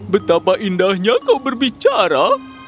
betapa indahnya kau berbicara